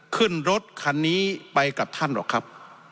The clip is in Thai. ขึ้นรถคันนี้ไปกับท่านหรอกครับ